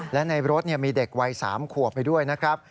และในรถมีเด็กวัย๓ขวบไปด้วยนะครับ